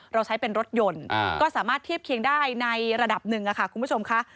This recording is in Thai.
เราใช้เป็นรถยนต์ก็สามารถเทียบเคียงได้ในระดับหนึ่งค่ะคุณผู้ชมค่ะ